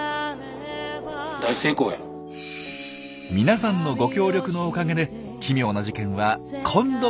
皆さんのご協力のおかげで奇妙な事件は今度こそ一件落着！